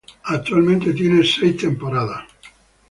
Actualmente tiene seis temporadas.